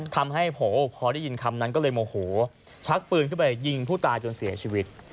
ทำให้โผล่พอได้ยินคำนั้นก็เลยโมโหชักปืนขึ้นไปยิงผู้ตายจนเสียชีวิต